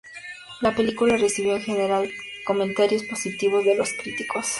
La película recibió en general comentarios positivos de los críticos.